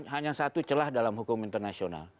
hanya satu celah dalam hukum internasional